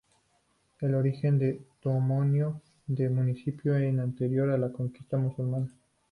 El origen del topónimo del municipio es anterior a la conquista musulmana.